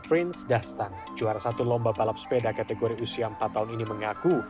prince dastan juara satu lomba balap sepeda kategori usia empat tahun ini mengaku